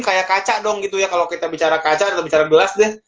kayak kaca dong gitu ya kalau kita bicara kaca atau bicara gelas deh